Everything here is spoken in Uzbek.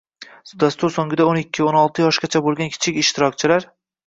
Dastur so‘ngida o’n ikki – o’n olti yoshgacha bo‘lgan kichik ishtirokchilar